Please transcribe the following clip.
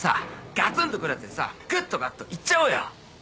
「がつんとくるやつでさクッとガッといっちゃおうよ」